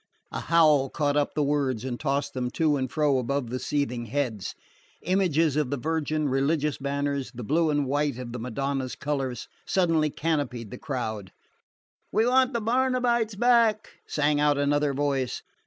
A howl caught up the words and tossed them to and fro above the seething heads. Images of the Virgin, religious banners, the blue and white of the Madonna's colours, suddenly canopied the crowd. "We want the Barnabites back!" sang out another voice.